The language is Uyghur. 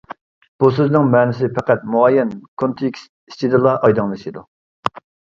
بۇ سۆزنىڭ مەنىسى پەقەت مۇئەييەن كونتېكىست ئىچىدىلا ئايدىڭلىشىدۇ.